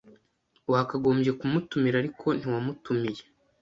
Wakagombye kumutumira, ariko ntiwamutumiye.